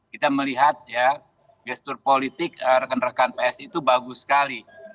kita melihat ya gestur politik rekan rekan psi itu bagus sekali